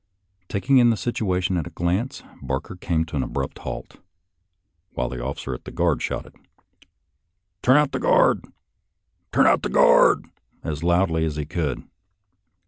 Taking in the situation at a glance. Barker came to an abrupt halt, while the officer of the guard shouted, " Turn out the guard ! turn out the guard !" as loudly as he could.